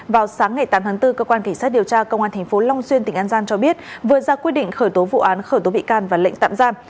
vào sáng ngày tám tháng bốn cơ quan cảnh sát điều tra công an tp long xuyên tỉnh an giang cho biết vừa ra quyết định khởi tố vụ án khởi tố bị can và lệnh tạm giam